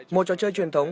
một trò chơi truyền thống